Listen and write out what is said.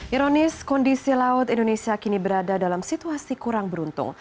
ironis kondisi laut indonesia kini berada dalam situasi kurang beruntung